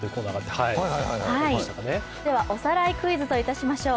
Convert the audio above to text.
おさらいクイズといたしましょう。